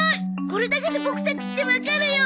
これだけでボクたちってわかるよ。